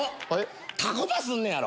タコパすんねやろ？